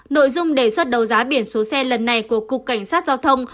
nội dung đề xuất đầu giá biển số xe lần này của cục cảnh sát giao thông